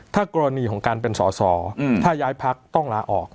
ถ้ากรณีของการเป็นสอสอถ้าย้ายพักต้องลาออก